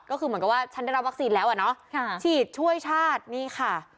ก็คือเหมือนกับว่าฉันได้รับวัคซีนแล้วอ่ะเนาะฉีดช่วยชาตินี่ค่ะ